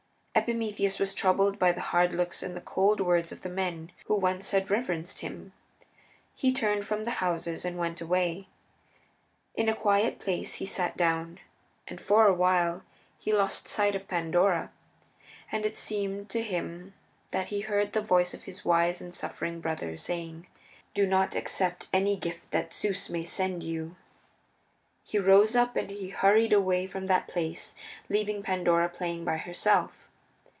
Epimetheus was troubled by the hard looks and the cold words of the men who once had reverenced him. He turned from the houses and went away. In a quiet place he sat down, and for a while he lost sight of Pandora. And then it seemed to him that he heard the voice of his wise and suffering brother saying, "Do not accept any gift that Zeus may send you." He rose up and he hurried away from that place, leaving Pandora playing by herself.